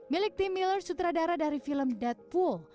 milik tim miller sutradara dari film deadpool